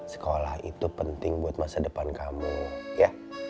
sekolah itu penting buat masa depan kamu ya